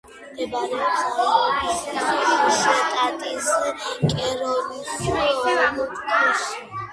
მდებარეობს აიოვის შტატის კეროლის ოლქში.